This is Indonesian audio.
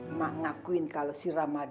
emak ngakuin kalau si ramadi ini